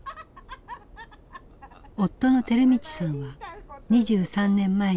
夫の照道さんは２３年前に他界。